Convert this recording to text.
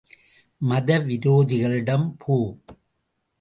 மத விரோதிகளிடம் போ!